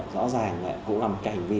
rõ ràng cũng là một cái hành vi